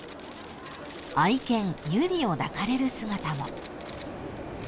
［愛犬由莉を抱かれる姿も］